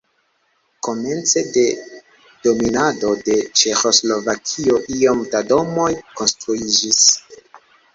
Komence de dominado de Ĉeĥoslovakio iom da domoj konstruiĝis.